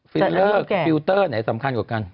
ฟิลเลอร์ฟิลเตอร์ไหนสำคัญกว่ากัน